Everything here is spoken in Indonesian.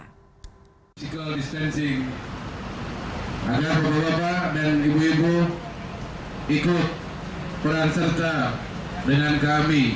physical distancing agar bapak bapak dan ibu ibu ikut peran serta dengan kami